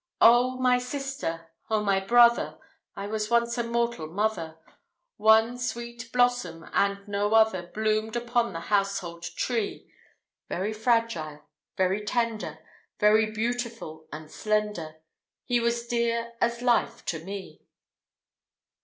O, my sister! O, my brother I was once a mortal mother; One sweet blossom, and no other, Bloomed upon the household tree: Very fragile, very tender, Very beautiful and slender He was dear as life to me.